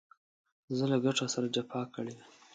زه له ګټو سره جفا کړې وي.